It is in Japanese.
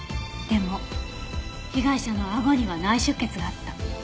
でも被害者のあごには内出血があった。